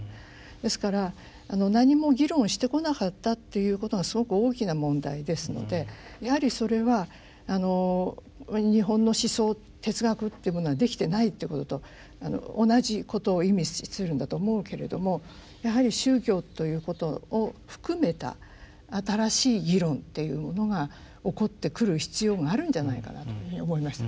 ですから何も議論してこなかったっていうことがすごく大きな問題ですのでやはりそれは日本の思想哲学っていうものはできてないっていうことと同じことを意味するんだと思うけれどもやはり宗教ということを含めた新しい議論っていうのが起こってくる必要があるんじゃないかなというふうに思いましたね。